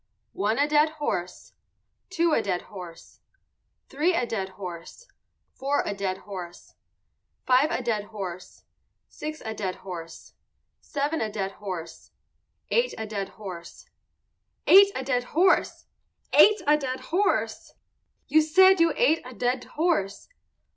One a dead horse. Two a dead horse. Three a dead horse. Four a dead horse. Five a dead horse. Six a dead horse. Seven a dead horse. Eight a dead horse. Eight a dead horse! Ate a dead horse! You said you ate a dead horse.